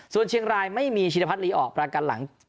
ส่วนเชียงรายไม่มีชินพัฒนลีออกประกันหลัง